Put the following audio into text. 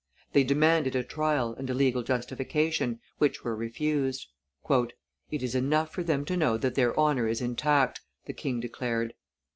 They demanded a trial and a legal justification, which were refused. "It is enough for them to know that their honor is intact," the king declared.